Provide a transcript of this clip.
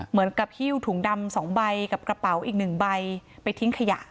เหมือนกับหิ้วถุงดำสองใบกับกระเป๋าอีกหนึ่งใบไปทิ้งขยะ